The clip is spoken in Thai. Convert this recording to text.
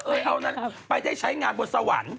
เอานั้นไปได้ใช้งานบนสวรรค์